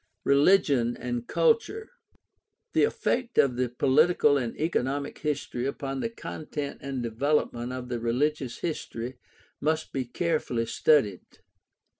Religion and culture. — The effect of the political and eco nomic history upon the content and development of the religious history must be carefully studied.